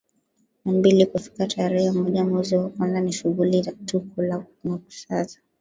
na mbili kufika tarehe moja mwezi wa kwanza ni shughuli tu kula kunywa kusaza